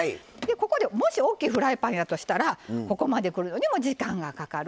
もし大きいフライパンやとしたらここまでくるのにも時間がかかる。